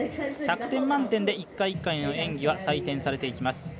１００点満点で一回一回の演技は採点されていきます。